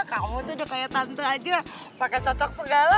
kamu tuh udah kayak tante aja pake cocok segala